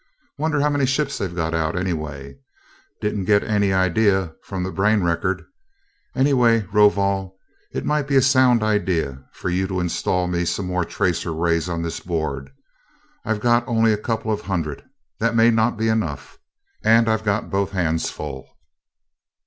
"Wonder how many ships they've got out, anyway? Didn't get any idea from the brain record. Anyway, Rovol, it might be a sound idea for you to install me some more tracer rays on this board, I've got only a couple of hundred, and that may not be enough and I've got both hands full."